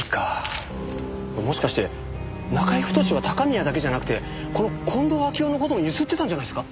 もしかして中居太は高宮だけじゃなくてこの近藤秋夫の事も強請ってたんじゃないですか？